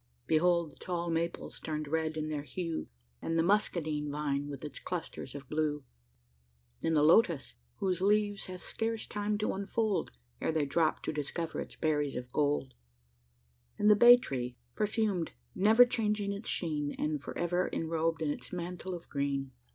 Behold the tall maples turned red in their hue, And the muscadine vine, with its clusters of blue; And the lotus, whose leaves have scarce time to unfold, Ere they drop, to discover its berries of gold; And the bay tree, perfumed, never changing its sheen, And for ever enrobed in its mantle of green!